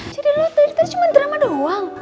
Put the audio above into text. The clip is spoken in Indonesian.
jadi lo tadi kan cuman drama doang